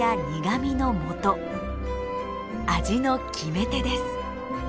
味の決め手です。